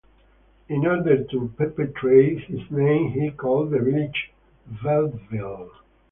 In order to perpetuate his name he called the village Bellville.